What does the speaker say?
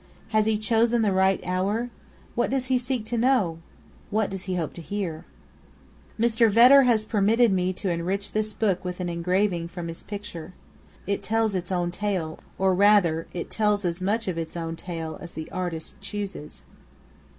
Has he chosen the right hour? What does he seek to know? What does he hope to hear? Mr. Vedder has permitted me to enrich this book with an engraving from his picture. It tells its own tale; or rather it tells as much of its own tale as the artist chooses.